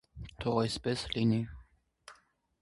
Թող այսպես լինի)։